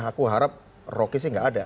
aku harap rocky sih gak ada